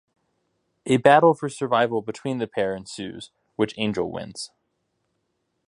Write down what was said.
A battle for survival between the pair ensues, which Angel wins.